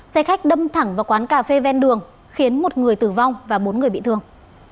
xe khách đâm thẳng vào quán cà phê ven đường khiến một người tử vong và bốn người bị thương